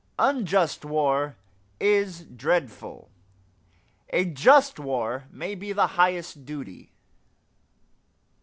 Unjust war is dreadful; a just war may be the highest duty.